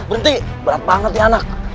berhenti berat banget ya anak